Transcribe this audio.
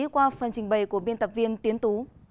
qua phần trình bày của biên tập viên tiến tú